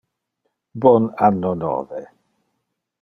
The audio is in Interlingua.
Bon anno nove